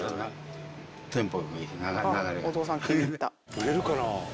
売れるかな？